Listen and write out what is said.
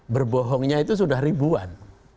berbohongnya itu sudah ribuan